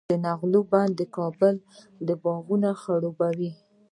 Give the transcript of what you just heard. د نغلو بند د کابل باغونه خړوبوي.